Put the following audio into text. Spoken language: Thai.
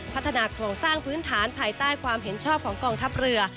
พัฒนาโครงสร้างพื้นฐานภายใต้ความเห็นชอบของกองทัพเรือ